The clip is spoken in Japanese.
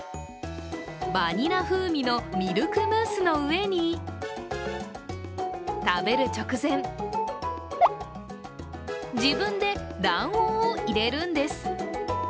バニラ風味のミルクムースの上に、食べる直前、自分で卵黄を入れるんです。